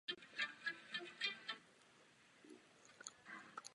Není to stanovisko skupiny, která dnes dopoledne rozhodla jinak.